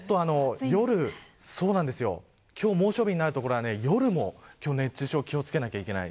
今日、猛暑日になる所は夜も熱中症に気を付けなければいけない。